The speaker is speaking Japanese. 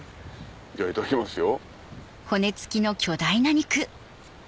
じゃあいただきますよ。